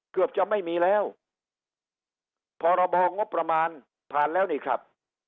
เกือบจะไม่มีแล้วพรบงบประมาณผ่านแล้วนี่ครับ